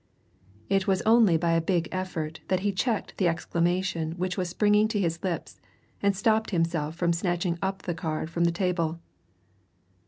It was only by a big effort that he checked the exclamation which was springing to his lips, and stopped himself from snatching up the card from the table.